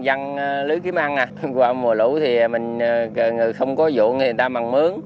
văn lưới kiếm ăn à qua mùa lũ thì người không có dụng thì người ta mặn mướn